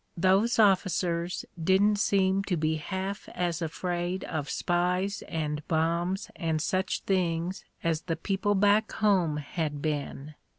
Those of ficers didn't seem to be half as afraid of spies and bombs and such things as the people back home had been.